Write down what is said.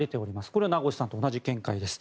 これは名越さんと同じ見解です。